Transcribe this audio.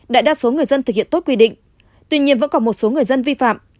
đại đa số người dân thực hiện tốt quy định tuy nhiên vẫn còn một số người dân vi phạm